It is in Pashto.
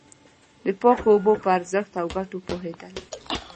د پاکو اوبو په ارزښت او گټو پوهېدل.